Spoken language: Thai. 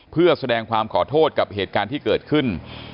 เพื่อแสดงความขอโทษกับเหตุการณ์ที่เกิดขึ้น